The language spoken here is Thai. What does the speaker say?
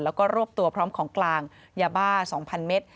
แล้วก็รวบตัวพร้อมของกลางยาบ้า๒๐๐เมตร